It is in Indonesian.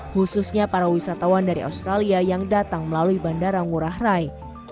khususnya para wisatawan dari australia yang datang melalui bandara ngurah rai